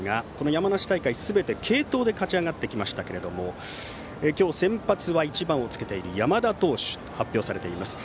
山梨大会は、すべて継投で勝ち上がってきましたが今日先発は１番をつけている山田投手と発表されています。